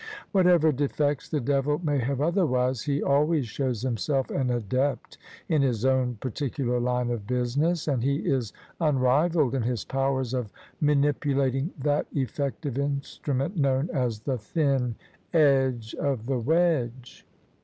Whatever defects the devil may have otherwise, he always shows himself an adept in his own particular line of business, and he is unrivalled in his powers of manipulating that effective instrument known as the thin edge of the wedge.